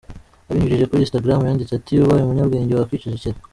Abinyujije kuri instagram yanditse ati "Ubaye umunyabwenge wakwicecekera.